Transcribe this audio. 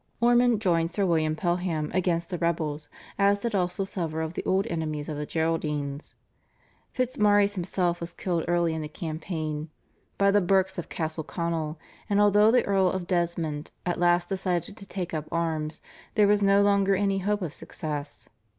Ormond joined Sir William Pelham against the rebels, as did also several of the old enemies of the Geraldines. Fitzmaurice himself was killed early in the campaign by the Burkes of Castleconnell, and although the Earl of Desmond at last decided to take up arms, there was no longer any hope of success.